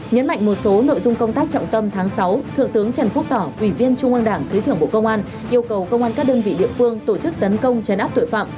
nhấn mạnh một số nội dung công tác trọng tâm tháng sáu thượng tướng trần quốc tỏ ủy viên trung an đảng thứ trưởng bộ công an yêu cầu công an các đơn vị địa phương tổ chức tấn công chấn áp tội phạm